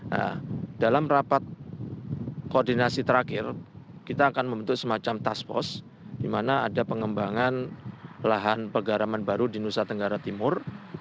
nah dalam rapat koordinasi terakhir kita akan membentuk semacam task pos di mana ada pengembangan lahan pegaraman baru di nusa tenggara timur